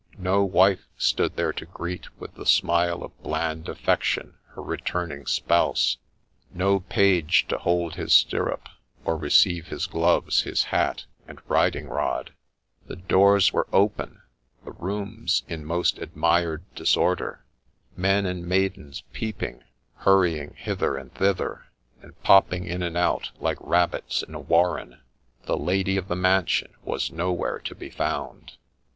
No wife stood there to greet with the smile of bland affection her returning spouse ; no page to hold his stirrup, or receive his gloves, his hat, and riding rod The doors were open, the rooms in most admired disorder ; men and maidens peeping, hurrying hither and thither, and popping in and out, like rabbits in a warren. The lady of the mansion was nowhere to be found.